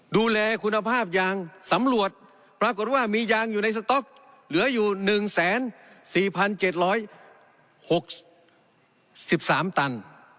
ดูแลคุณภาพยางสำรวจปรากฏว่ามียางอยู่ในสต๊อกเหลืออยู่๑๔๗๖๑๓ตัน